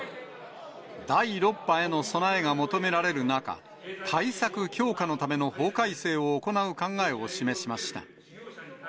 第６波への備えが求められる中、対策強化のための法改正を行う考えを示しました。